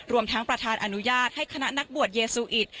รวมทั้งประธานอนุญาตให้คณะนักบวชเยซูอิท